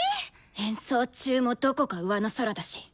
演奏中もどこかうわの空だし。